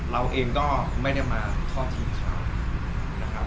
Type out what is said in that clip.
เราเองก็ไม่ได้มาทอดทีครับ